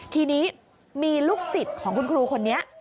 ทีนี้มีลูกศิษย์ของคุณครูคนนี้